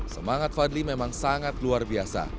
semangat fadli memang sangat luar biasa